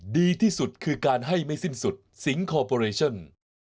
ดีที่สุดคือการให้ไม่สิ้นสุดสิงคอร์ปอเรชั่น